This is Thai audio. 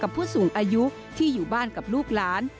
ผู้สูงอายุที่อยู่บ้านกับลูกหลาน